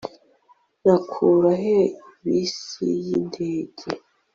nakura he bisi yindege